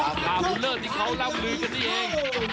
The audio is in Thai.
พาบุญเลิศที่เขาร่ำลือกันนี่เอง